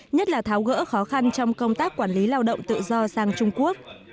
nhất là tháo gỡ khó khăn trong công tác quản lý lao động tự do sang trung quốc